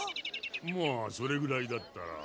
まあそれぐらいだったら。